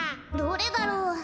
どれだろう。